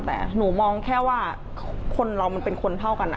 แต่หนูมองแค่ว่าคนเรามันเป็นคนเท่ากัน